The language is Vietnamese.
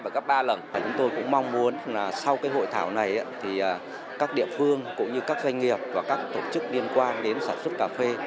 chúng tôi cũng mong muốn sau cái hội thảo này thì các địa phương cũng như các doanh nghiệp và các tổ chức liên quan đến sản xuất cà phê